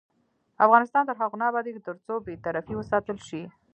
افغانستان تر هغو نه ابادیږي، ترڅو بې طرفي وساتل شي.